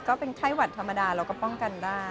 ก็เป็นไข้หวัดธรรมดาเราก็ป้องกันได้